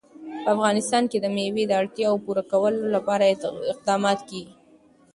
په افغانستان کې د مېوې د اړتیاوو پوره کولو لپاره اقدامات کېږي.